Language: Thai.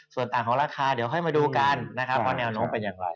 ส่วนต่างของราคาเดี๋ยวค่อยมาดูกันนะครับว่าแนวโน้มเป็นอย่างไร